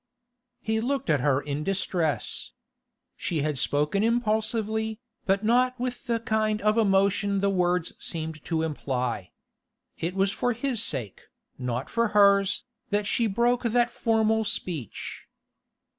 He looked at her in distress. She had spoken impulsively, but not with the kind of emotion the words seem to imply. It was for his sake, not for hers, that she broke that formal speech.